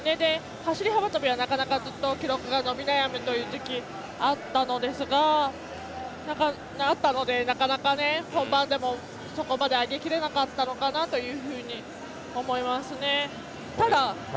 走り幅跳びはなかなかずっと記録が伸び悩んだ時期があったので、なかなか本番でもそこまで上げきれなかったのかなというふうに思いますね。